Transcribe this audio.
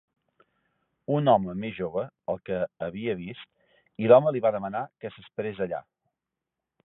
Un home més jove, el que havia vist, i l'home li va demanar que s'esperés allà.